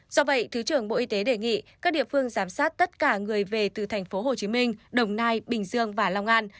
do vậy thứ trưởng bộ y tế đề nghị các địa phương giám sát tất cả người về từ thành phố hồ chí minh đồng nai bình dương và long an